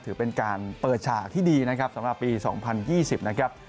ถือเป็นการเปิดฉากที่ดีนะครับสำหรับปี๒๐๒๐นะครับ